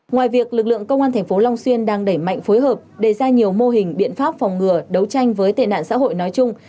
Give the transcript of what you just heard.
ngoài việc lực lượng công an tp long xuyên đang đẩy mạnh phối hợp đề ra nhiều mô hình biện pháp phòng ngừa đấu tranh với tệ nạn xã hội nói chung